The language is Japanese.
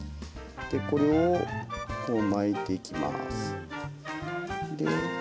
これをこう巻いていきます。